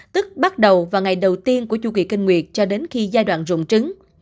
tức bắt đầu vào ngày đầu tiên của chu kỳ kinh nguyệt cho đến khi giai đoạn rụng trứng